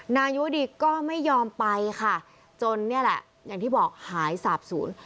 นายุดีก็ไม่ยอมไปค่ะจนนี่แหละอย่างที่บอกหายสาบศูนย์